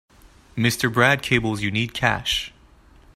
Mr. Brad cables you need cash.